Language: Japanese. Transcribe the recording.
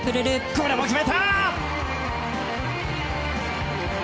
これも決めた！